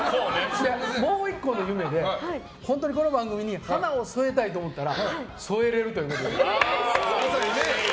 もう１個の夢で本当にこの番組に花を添えたいと思ったら添えれるということで。